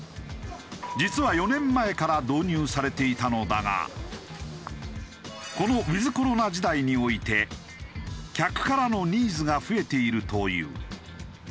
実は４年前から導入されていたのだがこのウィズコロナ時代において客からのニーズが増えているという。